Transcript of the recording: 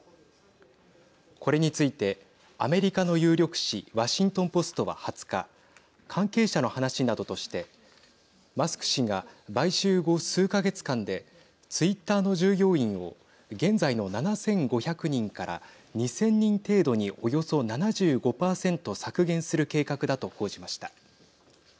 これについて、アメリカの有力紙ワシントン・ポストは２０日関係者の話などとしてマスク氏が買収後、数か月間でツイッターの従業員を現在の７５００人から２０００人程度に、およそ７５％削減する計画だと報じました。